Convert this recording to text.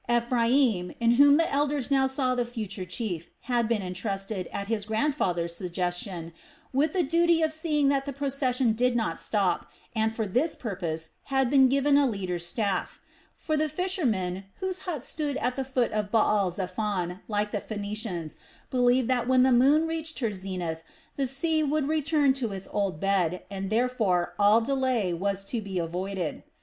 Ephraim, in whom the elders now saw the future chief, had been entrusted, at his grandfather's suggestion, with the duty of seeing that the procession did not stop and, for this purpose, had been given a leader's staff; for the fishermen whose huts stood at the foot of Baal zephon, like the Phoenicians, believed that when the moon reached her zenith the sea would return to its old bed, and therefore all delay was to be avoided.